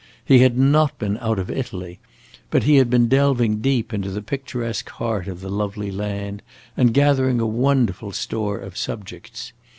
He had not been out of Italy, but he had been delving deep into the picturesque heart of the lovely land, and gathering a wonderful store of subjects.